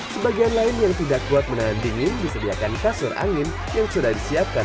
sebagian lain yang tidak kuat menahan dingin disediakan kasur angin yang sudah disiapkan